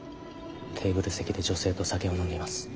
テーブル席で女性と酒を飲んでいます。